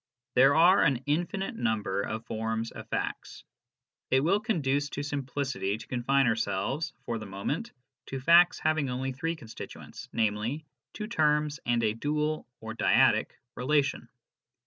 There are an infinite number of forms of facts. It will conduce to simplicity to confine ourselves, for the moment, to facts having only three constituents, namely, two terms and a dual (or dyadic) relation.